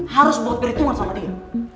harus buat berhitungan sama dia